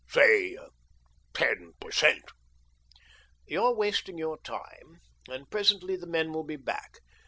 Say ten per cent." "You're wasting time, and presently the men v^^ill be back.